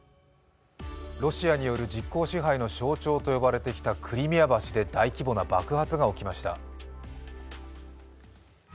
ロシアによる実効支配の象徴とされてきたクリミア橋で大規模な爆発が起きました。